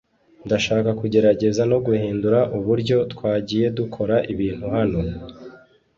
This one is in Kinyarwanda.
ndashaka kugerageza no guhindura uburyo twagiye dukora ibintu hano